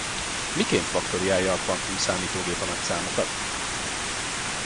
Miként faktoriálja a kvantum-számítógép a nagy számokat?